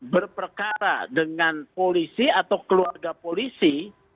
berperkara dengan polisi atau keluarga polisi